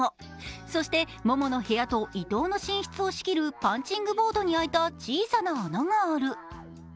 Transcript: そしてモモとイトウの部屋を仕切るパンチングボードに開いた小さな穴がある。